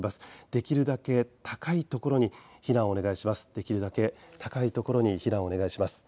できるだけ高いところに避難をお願いします。